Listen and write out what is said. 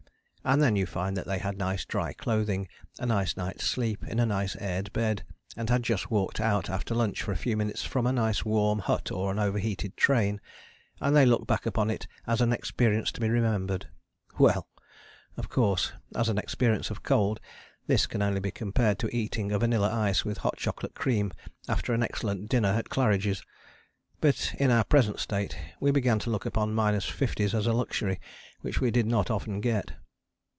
And then you find that they had nice dry clothing, a nice night's sleep in a nice aired bed, and had just walked out after lunch for a few minutes from a nice warm hut or an overheated train. And they look back upon it as an experience to be remembered. Well! of course as an experience of cold this can only be compared to eating a vanilla ice with hot chocolate cream after an excellent dinner at Claridge's. But in our present state we began to look upon minus fifties as a luxury which we did not often get.